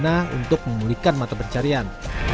bagaimana untuk memulihkan mata pencarian